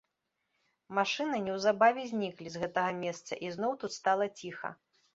Машыны неўзабаве зніклі з гэтага месца, і зноў тут стала ціха.